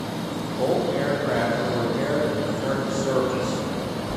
Both aircraft were repaired and returned to service.